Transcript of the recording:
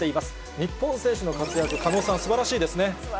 日本選手の活躍、狩野さん、すばらしいですね。